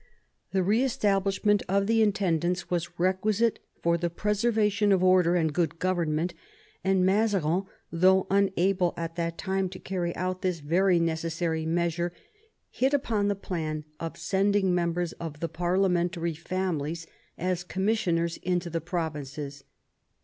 The re establishment of the in tendants was requisite for the preservation of order and good government, and Mazarin, though unable at that time to carry out this very necessary measure, hit upon the plan of sending members of the parliamentary families as commissioners into the provinces.